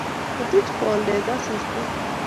Katuch boldet asista